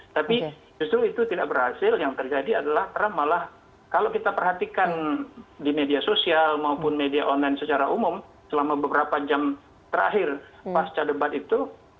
tapi justru itu tidak berhasil yang terjadi adalah trump malah kalau kita perhatikan di media sosial maupun media online secara umum selama beberapa jam terakhir pasca debat itu